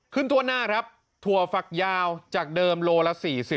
ทั่วหน้าครับถั่วฝักยาวจากเดิมโลละ๔๐